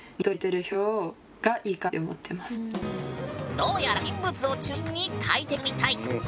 どうやら人物を中心に描いていくみたい。